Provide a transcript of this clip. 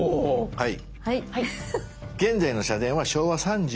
はい。